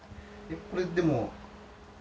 これでも。